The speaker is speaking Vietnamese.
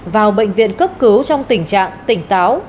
vào bệnh viện cấp cứu trong tình trạng tỉnh táo